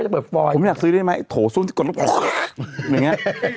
ผมอยากซื้อริด้วยไหมส่วนที่กดมา